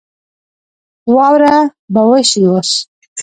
واوره به وشي اوس